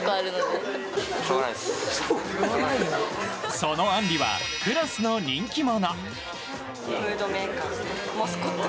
そのアンリはクラスの人気者。